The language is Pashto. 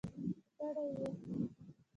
ستړي و.